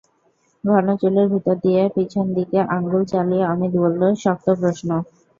ঘন চুলের ভিতর দিয়ে পিছন দিকে আঙুল চালিয়ে অমিত বললে, শক্ত প্রশ্ন।